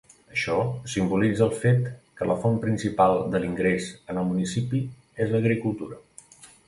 Això simbolitza el fet que la font principal de l'ingrés en el municipi és l'agricultura.